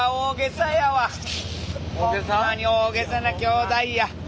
ほんまに大げさな兄弟や。